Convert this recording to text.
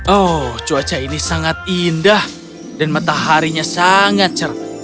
oh cuaca ini sangat indah dan mataharinya sangat cerah